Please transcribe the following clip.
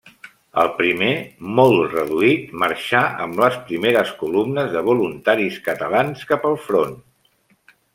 El primer, molt reduït, marxà amb les primeres columnes de voluntaris catalans cap al front.